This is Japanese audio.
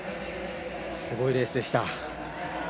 すごいレースでした。